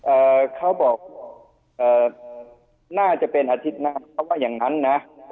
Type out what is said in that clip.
เอ่อเขาบอกเอ่อน่าจะเป็นอาทิตย์นะครับเขาว่าอย่างงั้นนะ